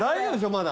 まだ。